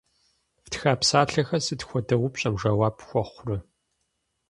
Фтха псалъэхэр сыт хуэдэ упщӏэм жэуап хуэхъурэ?